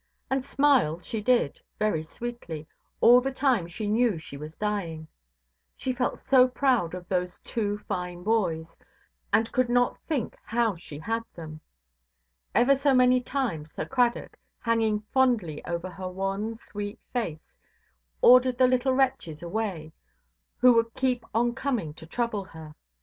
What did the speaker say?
And smile she did, very sweetly, all the time she knew she was dying; she felt so proud of those two fine boys, and could not think how she had them. Ever so many times Sir Cradock, hanging fondly over her wan, sweet face, ordered the little wretches away, who would keep on coming to trouble her.